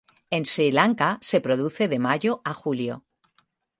En Sri Lanka se produce de mayo a julio.